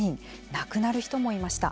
亡くなる人もいました。